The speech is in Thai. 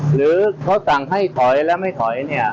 หรือเขาสั่งให้ถอยและไม่ถอยเนี่ย